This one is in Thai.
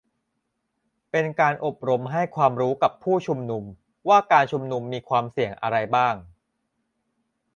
เป็นการอบรมให้ความรู้กับผู้ชุมนุมว่าการชุมนุมมีความเสี่ยงอะไรบ้าง